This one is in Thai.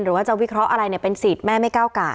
หรือว่าจะวิเคราะห์อะไรเป็นสิทธิ์แม่ไม่ก้าวกลาย